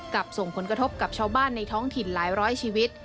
ส่งผลกระทบกับชาวบ้านในท้องถิ่นหลายร้อยชีวิต